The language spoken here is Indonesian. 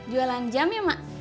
jualan jam ya mak